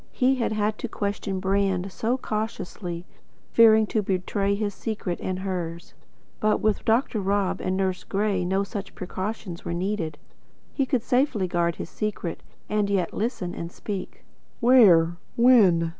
He had had to question Brand so cautiously, fearing to betray his secret and hers; but with Dr. Rob and Nurse Gray no such precautions were needed. He could safely guard his secret, and yet listen and speak. "Where when?"